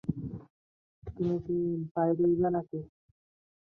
তুমি কি বাইরোইবা নাকি?